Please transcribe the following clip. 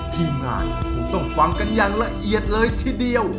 ทีมงานคงต้องฟังกันอย่างละเอียดเลยทีเดียว